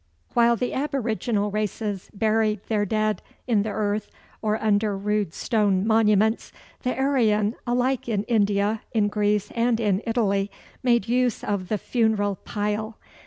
While the aboriginal races buried their dead in the earth or under rude stone monuments, the Aryan alike in India, in Greece, and in Italy made use of the funeral pile.